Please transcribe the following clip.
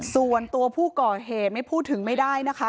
ส่วนตัวผู้ก่อเหตุไม่พูดถึงไม่ได้นะคะ